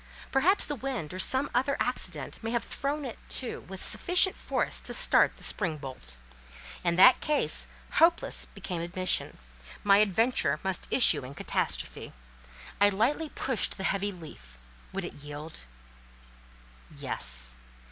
Perhaps the wind or some other accident may have thrown it to with sufficient force to start the spring bolt? In that case, hopeless became admission; my adventure must issue in catastrophe. I lightly pushed the heavy leaf; would it yield? Yes.